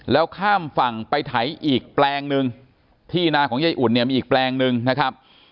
แล้วข้ามฝั่งไปไถอีกแปลงหนึ่งที่นาของยายอุ่นเนี่ยมีอีกแปลงหนึ่งนะครับ